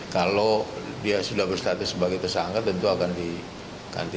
kalau dia sudah berstatus sebagai tersangka tentu akan diganti